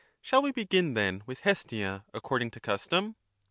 Shall we begin, then, with Hestia, according to custom?